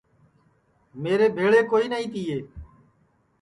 میرے ٻھیݪے کوئی نائی تیئے